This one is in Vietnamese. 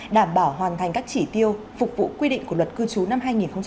đảm bảo hoàn thành các chỉ tiêu phục vụ quy định của luật cư trú năm hai nghìn hai mươi